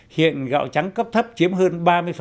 hiện gạo trắng cấp thấp chiếm hơn ba mươi